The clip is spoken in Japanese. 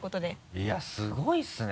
いやすごいですね。